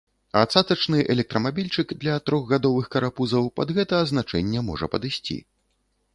А цацачны электрамабільчык для трохгадовых карапузаў пад гэта азначэнне можа падысці.